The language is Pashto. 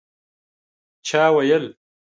چا ویل